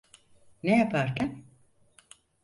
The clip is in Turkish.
Ne yaparken?